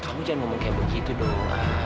kamu jangan ngomong kayak begitu dong